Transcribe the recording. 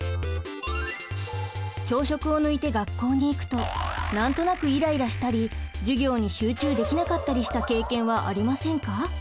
朝食を抜いて学校に行くと何となくイライラしたり授業に集中できなかったりした経験はありませんか？